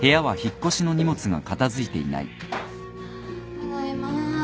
ただいま。